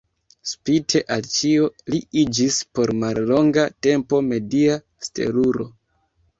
Spite al ĉio, li iĝis por mallonga tempo media stelulo.